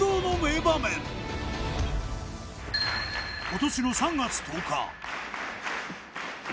今年の３月１０日。